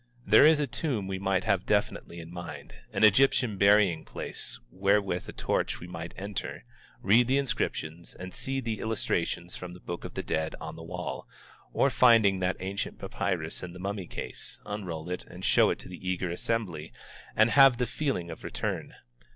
There is a tomb we might have definitely in mind, an Egyptian burying place where with a torch we might enter, read the inscriptions, and see the illustrations from the Book of the Dead on the wall, or finding that ancient papyrus in the mummy case, unroll it and show it to the eager assembly, and have the feeling of return.